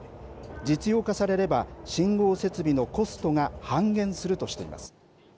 実用化されれば信号設備のコストが半減するとしています。